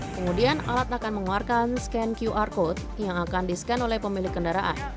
kemudian alat akan mengeluarkan scan qr code yang akan di scan oleh pemilik kendaraan